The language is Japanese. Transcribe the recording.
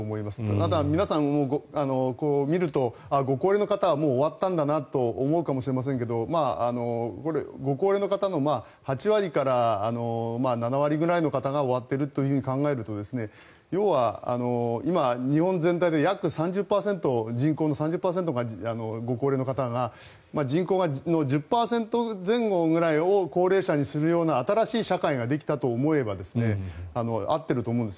ただ、皆さん、見るとご高齢の方はもう終わったんだなと思うかもしれませんがご高齢の方の８割から７割くらいの方が終わっていると考えると要は今、日本全体で約３０％、人口の３０％がご高齢の方が人口の１０％前後くらいを高齢者にするような新しい社会ができたと思えば合っていると思うんです。